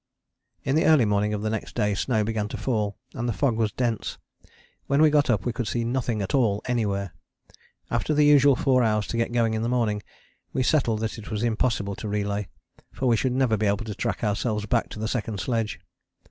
In the early morning of the next day snow began to fall and the fog was dense: when we got up we could see nothing at all anywhere. After the usual four hours to get going in the morning we settled that it was impossible to relay, for we should never be able to track ourselves back to the second sledge.